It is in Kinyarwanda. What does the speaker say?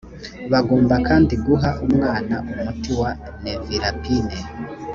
bagomba kandi guha umwana umuti wa nevirapine